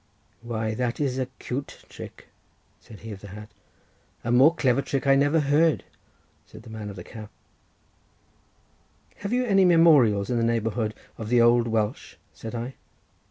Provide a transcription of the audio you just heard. "Why, that it was a cute trick," said he of the hat. "A more clever trick I never heard," said he of the cap. "Have you any memorials in the neighbourhood of the old Welsh?" said I.